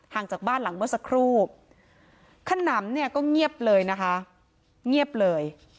จากบ้านหลังเมื่อสักครู่ขนำเนี่ยก็เงียบเลยนะคะเงียบเลย